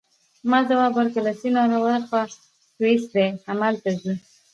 ما ځواب ورکړ: له سیند ورهاخوا سویس دی، همالته ځو.